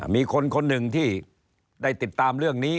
มีคนคนหนึ่งที่ได้ติดตามเรื่องนี้